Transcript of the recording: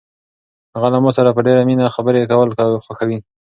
هغه له ما سره په ډېرې مینه خبرې کول خوښوي.